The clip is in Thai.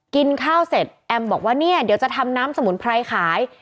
กินข้าวเสร็จแอมบอกว่าเนี่ยเดี๋ยวจะทำน้ำสมุนไพรขาย